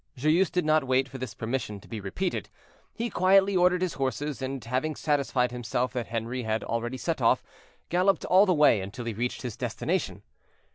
Joyeuse did not wait for this permission to be repeated; he quietly ordered his horses, and having satisfied himself that Henri had already set off, galloped all the way until he reached his destination.